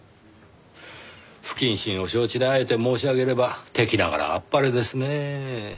不謹慎を承知であえて申し上げれば敵ながらあっぱれですねぇ。